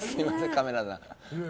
カメラさん。